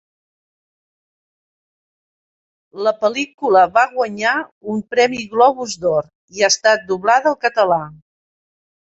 La pel·lícula va guanyar un premi Globus d'Or, i ha estat doblada al català.